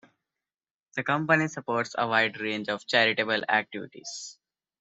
The Company supports a wide range of charitable activities.